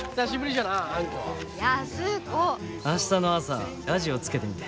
明日の朝ラジオつけてみて。